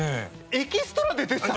エキストラで出てたの！？